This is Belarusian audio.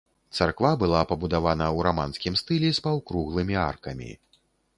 Царква была пабудавана ў раманскім стылі з паўкруглымі аркамі.